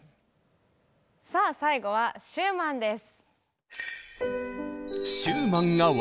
さあ最後はシューマンです。